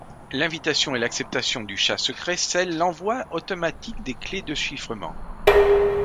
L'invitation et l'acceptation du chat secret scellent l'envoi automatique des clés de chiffrement.